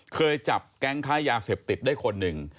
เคยจับแก๊งค้ายาเสพติดได้คนหนึ่ง